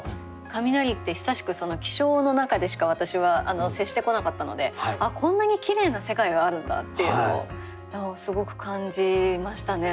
雷って久しく気象の中でしか私は接してこなかったのでこんなにきれいな世界があるんだっていうのをすごく感じましたね。